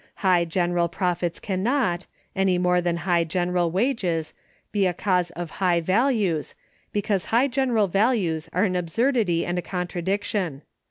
High general profits can not, any more than high general wages, be a cause of high values, because high general values are an absurdity and a contradiction.